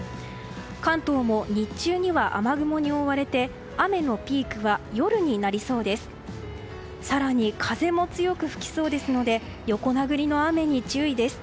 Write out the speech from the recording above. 関東も日中には雨雲に覆われて雨のピークは夜になりそうです。